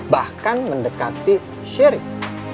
bahkan mendekati syirik